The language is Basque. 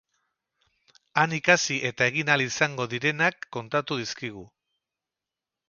Han ikasi eta egin ahal izango direnak kontatu dizkigu.